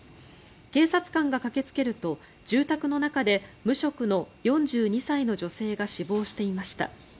警察官が駆けつけると住宅の中で無職の４２歳の女性が死亡していました。